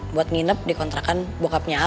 buat nginep di kontrakan bokapnya